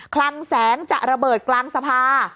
คลังแสงจะระเบิดกลางสภา